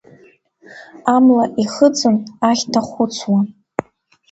Амла ихыҵын, ахьҭа хәыцуам.